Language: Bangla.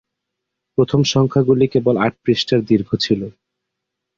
প্রথম সংখ্যাগুলি কেবল আট পৃষ্ঠার দীর্ঘ ছিল।